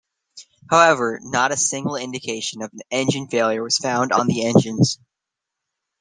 However, not a single indication of an engine failure was found on the engines.